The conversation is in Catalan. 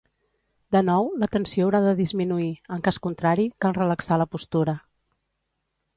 De nou, la tensió haurà de disminuir; en cas contrari cal relaxar la postura.